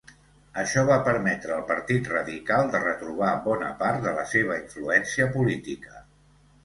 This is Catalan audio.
Això va permetre al Partit Radical de retrobar bona part de la seva influència política.